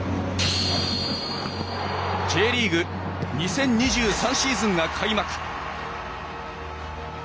Ｊリーグ２０２３シーズンが開幕！